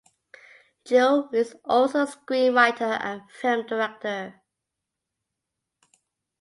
Guo is also a screenwriter and film director.